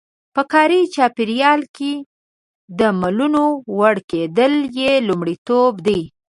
په کاري چاپېریال کې د منلو وړ کېدل یې لومړیتوب دی.